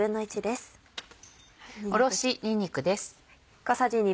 おろしにんにくです。